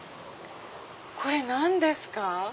これ何ですか？